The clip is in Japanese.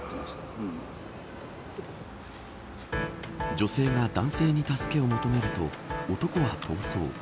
女性が男性に助けを求めると男は逃走。